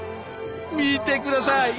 見てください！